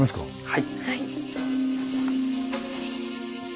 はい。